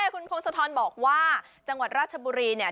คุณพงศธรบอกว่าจังหวัดราชบุรีเนี่ย